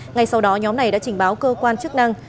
ngay sau đó nhóm này đã trình báo cơ quan chức năng